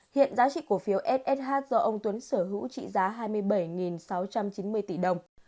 hiện giá trị cổ phiếu sh do ông tuấn sở hữu trị giá hai mươi bảy sáu trăm chín mươi tỷ đồng